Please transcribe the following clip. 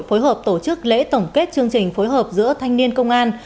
phối hợp tổ chức lễ tổng kết chương trình phối hợp giữa thanh niên công an